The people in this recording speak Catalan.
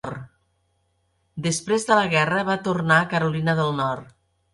Després de la guerra va tornar a Carolina del Nord.